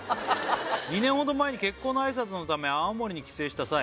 「２年ほど前に結婚の挨拶のため青森に帰省した際」